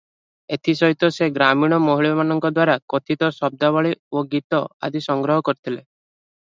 ଏଥି ସହିତ ସେ ଗ୍ରାମୀଣ ମହିଳାମାନଙ୍କଦ୍ୱାରା କଥିତ ଶବ୍ଦାବଳୀ ଓ ଗୀତ ଆଦି ସଂଗ୍ରହ କରିଥିଲେ ।